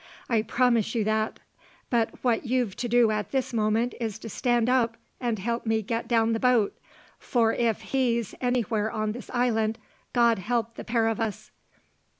I promise you that; but what you've to do at this moment is to stand up, and help me get down the boat. For if he's anywhere on this island, God help the pair of us!"